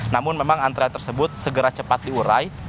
namun memang antrean tersebut segera cepat diurai